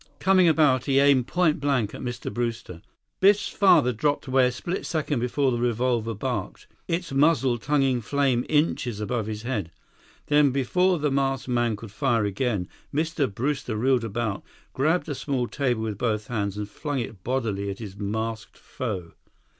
Coming about, he aimed point blank at Mr. Brewster. Biff's father dropped away a split second before the revolver barked, its muzzle tonguing flame inches above his head. Then, before the masked man could fire again, Mr. Brewster wheeled about, grabbed a small table with both hands, and flung it bodily at his masked foe.